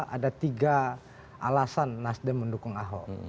ada tiga alasan nasdem mendukung ahok